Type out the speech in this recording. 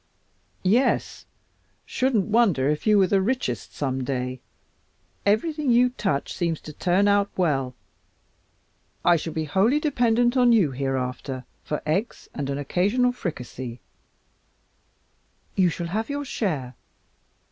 "Yes, shouldn't wonder if you were the richest some day. Everything you touch seems to turn out well. I shall be wholly dependent on you hereafter for eggs and an occasional fricassee." "You shall have your share.